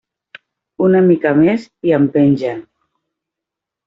Una mica més i em pengen.